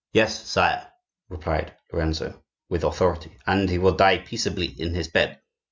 "Yes, sire," replied Lorenzo, with authority; "and he will die peaceably in his bed."